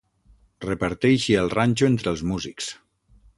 Reparteixi el ranxo entre els músics.